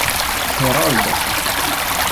heroldo